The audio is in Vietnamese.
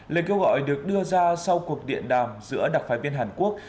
lời kêu gọi được đưa ra sau cuộc điện đàm giữa đặc phái viên hàn quốc